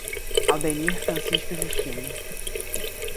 Aldenir Francisco Justino